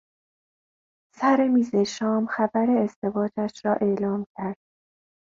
سر میز شام خبر ازدواجش را اعلام کرد.